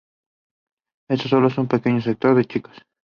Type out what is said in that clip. Es solo para un pequeño sector de chicos.